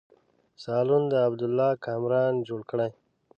سالون د عبدالله کامران جوړ کړی.